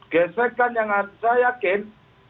gesekan yang saya yakin